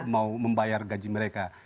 mau membayar gaji mereka